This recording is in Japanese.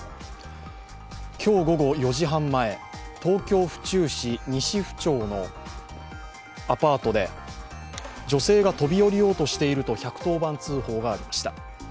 今日午後４時半前、東京・府中市西府町のアパートで女性が飛び降りようとしていると１１０番通報がありました。